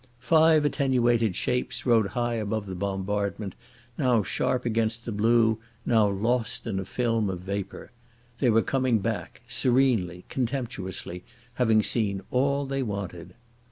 Five attenuated shapes rode high above the bombardment, now sharp against the blue, now lost in a film of vapour. They were coming back, serenely, contemptuously, having seen all they wanted.